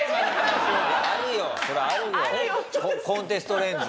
コンテストレンズ。